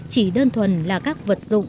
chỉ đơn thuần là các vật dụng